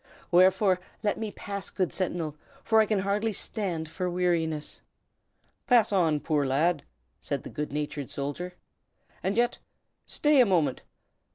Wherefore let me pass, good sentinel, for I can hardly stand for weariness." "Pass on, poor lad!" said the good natured soldier. "And yet stay a moment!